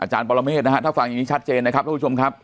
ปรเมฆนะฮะถ้าฟังอย่างนี้ชัดเจนนะครับทุกผู้ชมครับ